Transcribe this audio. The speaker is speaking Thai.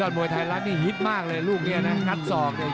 ยอดมวยไทยรัสมี่ฮิตมากเลยลูกนี้น่ะนัดสอบ